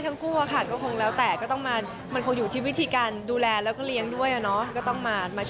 ช่วยกันดูอีกทีเดียวเลยนะครับ